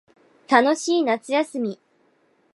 楽しい夏休み